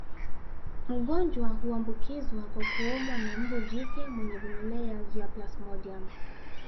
Mgonjwa huambukizwa kwa kuumwa na mbu jike mwenye vimelea vya plasmodium